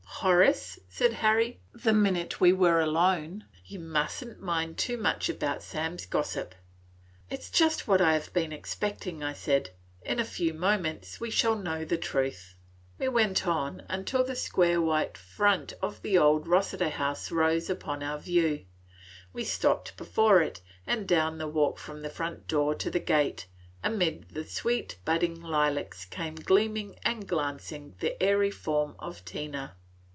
"Horace," said Harry, the minute we were alone, "you must n't mind too much about Sam's gossip." "It is just what I have been expecting," said I;" but in a few moments we shall know the truth." We went on until the square white front of the old Rossiter house rose upon our view. We stopped before it, and down the walk from the front door to the gate, amid the sweet budding lilacs came gleaming and glancing the airy form of Tina.